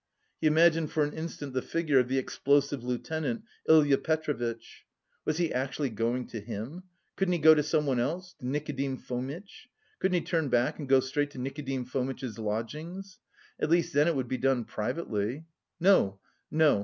He imagined for an instant the figure of the "explosive lieutenant," Ilya Petrovitch. Was he actually going to him? Couldn't he go to someone else? To Nikodim Fomitch? Couldn't he turn back and go straight to Nikodim Fomitch's lodgings? At least then it would be done privately.... No, no!